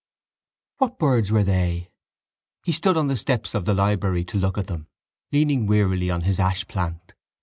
What birds were they? He stood on the steps of the library to look at them, leaning wearily on his ashplant.